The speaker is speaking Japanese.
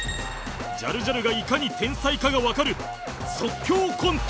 ジャルジャルがいかに天才かがわかる即興コント